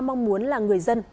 mong muốn là người dân